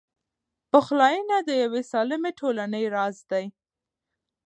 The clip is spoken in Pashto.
پخلاینه د یوې سالمې ټولنې راز دی.